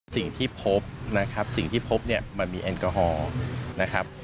สิ่งที่พบนะครับสิ่งที่พบเนี่ยมันมีแอลกอฮอล์นะครับ